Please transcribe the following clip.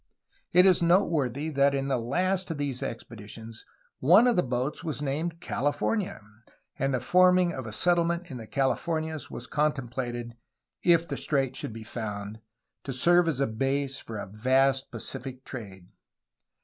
It is noteworthy that in the last of these expeditions one of the boats was named California^ and the forming of a settle ment in the Californias was contemplated, if the strait should be found, to serve as the base for a vast Pacific trade.